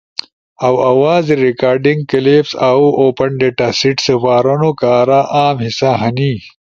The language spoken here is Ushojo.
آواز ریکارڈنگ کلپس آسو اوپن ڈیتا سیٹ سپارونو کارا اہم حصہ ہنی،